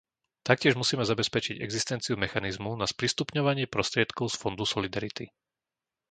Taktiež musíme zabezpečiť existenciu mechanizmu na sprístupňovanie prostriedkov z Fondu solidarity.